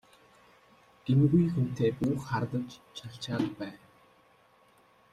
Гэмгүй хүнтэй бүү хардаж чалчаад бай!